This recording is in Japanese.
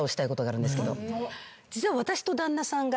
実は。